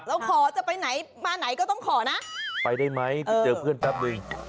เราขอจะไปไหนมาไหนก็ต้องขอนะไปได้ไหมไปเจอเพื่อนแป๊บนึง